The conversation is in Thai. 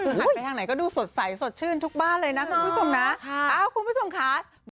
คือหันไปทางไหนก็ดูสดใสสดชื่นทุกบ้านเลยนะคุณผู้ชมนะคุณผู้ชมค่ะ